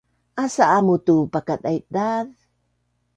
Asa amu tu mapakadaidaz